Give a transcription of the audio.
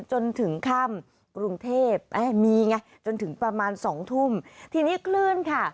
จนถึงค่ำกรุงเทพมีไงจนถึงประมาณสองทุ่มทีนี้คลื่นค่ะ